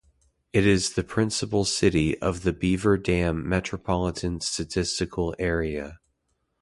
It is the principal city of the Beaver Dam Micropolitan Statistical area.